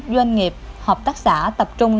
doanh nghiệp hợp tác xã tập trung